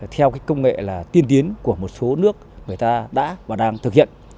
theo công nghệ tiên tiến của một số nước người ta đã và đang thực hiện